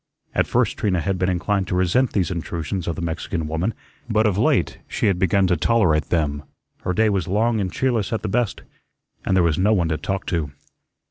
At first Trina had been inclined to resent these intrusions of the Mexican woman, but of late she had begun to tolerate them. Her day was long and cheerless at the best, and there was no one to talk to.